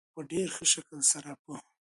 په ډېر ښه شکل سره په